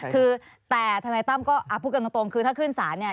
คือแต่ทนายตั้มก็พูดกันตรงคือถ้าขึ้นศาลเนี่ย